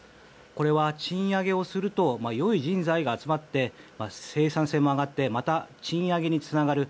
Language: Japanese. これは賃上げをすると良い人材が集まって生産性も上がってまた賃上げにつながる。